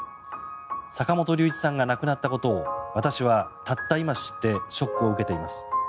坂本龍一さんが亡くなったことを私はたった今知ってショックを受けています。